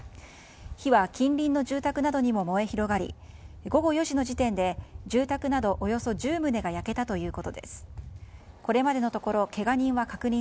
火は近隣の住宅などにも燃え広がり午後４時の時点で住宅などおよそ１０棟が下の子も ＫＵＭＯＮ を始めた